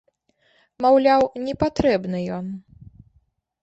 Маўляў, не патрэбны ён.